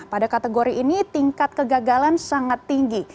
pada kategori ini tingkat kegagalan sangat tinggi